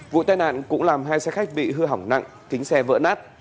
vụ tai nạn cũng làm hai xe khách bị hư hỏng nặng kính xe vỡ nát